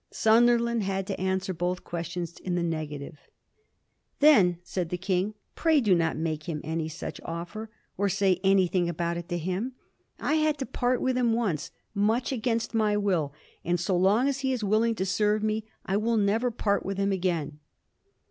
Sunderland had to answer both questions in the negative. * Then,' said the King, * pray do not make him any such offer, or say anything about it to him. I had to part with him once, much against my will, and, so long as he is willing to serve me, I will never part with him again.'